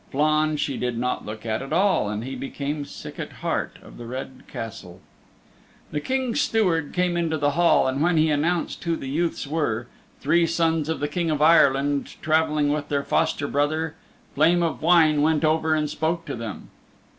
Flann she did not look at at all, and he became sick at heart of the Red Castle. The King's Steward came into the Hall and when he announced who the youths were three sons of the King of Ireland traveling with their foster brother Flame of Wine went over and spoke to them.